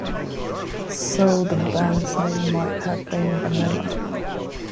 So the band's name might have been "Vanilla".